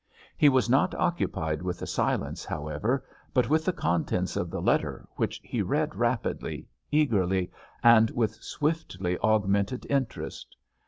He was not occupied with the silence, however, but with the contents of the letter, which he read rapidly, eagerly, and with swiftly augmented interest.